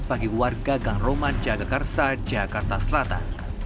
bagi warga gang roman jagakarsa jakarta selatan